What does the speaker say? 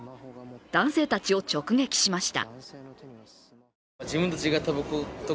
男性たちを直撃しました。